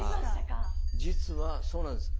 実はそうなんです。